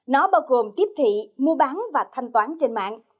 nó bao gồm tiếp thị mua bán và thanh toán trên mạng